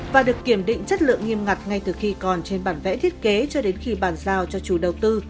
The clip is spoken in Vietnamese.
và được kiểm định chất lượng nghiêm ngặt ngay từ khi còn trên bản vẽ thiết kế cho đến khi bàn giao cho chủ đầu tư